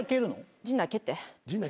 陣内蹴って。